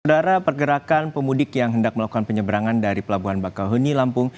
udara pergerakan pemudik yang hendak melakukan penyeberangan dari pelabuhan bakauheni lampung